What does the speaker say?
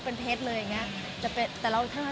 มีปิดฟงปิดไฟแล้วถือเค้กขึ้นมา